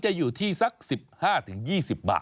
จะอยู่ที่สัก๑๕๒๐บาท